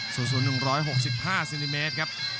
สูงสูง๑๖๕ซินติเมตรครับ